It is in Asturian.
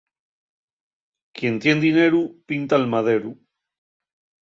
Quien tien dineru, pinta'l maderu.